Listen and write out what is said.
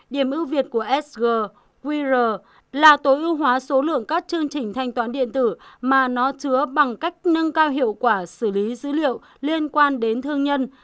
điểm ưu việt của sgqr là tối ưu hóa số lượng các chương trình thanh toán điện tử mà nó chứa bằng cách nâng cao hiệu quả xử lý dữ liệu liên quan đến thương nhân